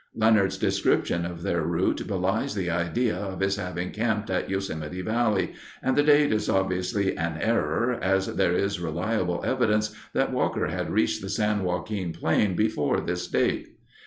Leonard's description of their route belies the idea of his having camped in Yosemite Valley, and the date is obviously an error as there is reliable evidence that Walker had reached the San Joaquin plain before this date.